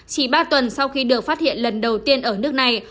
chỉ ba tuần sau khi được phát hiện lần đầu tiên ở nước này